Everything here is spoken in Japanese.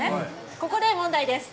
ここで問題です。